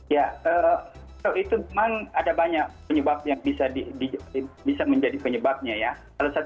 ya itu memang ada banyak penyebab yang bisa dianggap